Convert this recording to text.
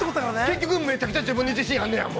◆結局めちゃくちゃ自分に自信あんねやもん。